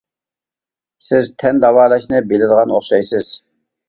سىز ‹ ‹تەن› › داۋالاشنى بىلىدىغان ئوخشايسىز.